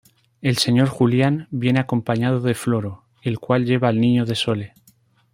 El señor Julián, viene acompañado de Floro, el cual lleva al niño de Sole.